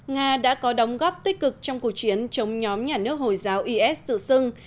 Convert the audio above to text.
nga đã có đóng góp tích cực trong cuộc chiến chống nhóm nhà nước hồi giáo is tự xưng